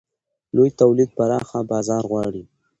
لوی تولید پراخه بازار غواړي.